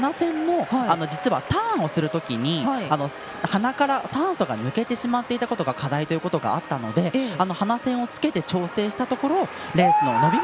実はターンをするときに鼻から酸素が抜けてしまったのが課題ということがあったのでつけて調整したところレースの伸びが